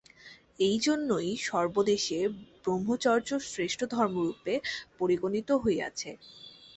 এই জন্যই সর্বদেশে ব্রহ্মচর্য শ্রেষ্ঠ ধর্মরূপে পরিগণিত হইয়াছে।